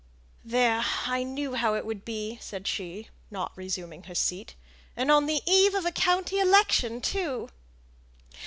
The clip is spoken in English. "There! I knew how it would be!" said she, not resuming her seat. "And on the eve of a county election too."